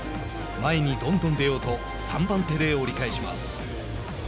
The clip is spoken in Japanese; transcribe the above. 前にどんどん出ようと３番手で折り返します。